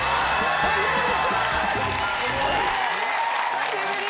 ⁉久しぶり！